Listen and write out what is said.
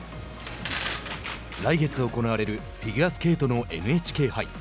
来月行われるフィギュアスケートのＮＨＫ杯。